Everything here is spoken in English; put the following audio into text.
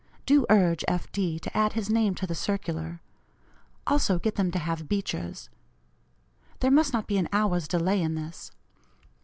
Do urge F. D. to add his name to the circular; also get them to have Beecher's. There must not be an hour's delay in this.